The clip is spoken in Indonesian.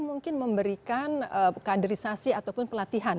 mungkin memberikan kaderisasi ataupun pelatihan